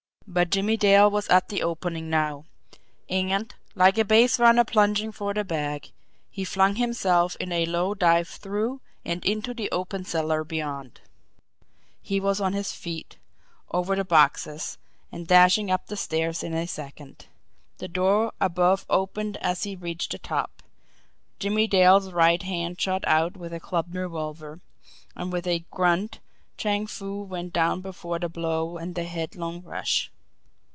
But Jimmie Dale was at the opening now and, like a base runner plunging for the bag, he flung himself in a low dive through and into the open cellar beyond. He was on his feet, over the boxes, and dashing up the stairs in a second. The door above opened as he reached the top Jimmie Dale's right hand shot out with clubbed revolver and with a grunt Chang Foo went down before the blow and the headlong rush.